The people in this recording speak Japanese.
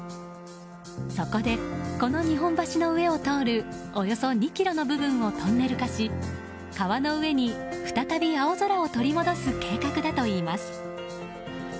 そこでこの日本橋の上を通るおよそ２ｋｍの部分をトンネル化し川の上に再び青空を取り戻す計画だといいます。